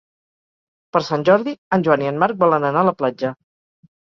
Per Sant Jordi en Joan i en Marc volen anar a la platja.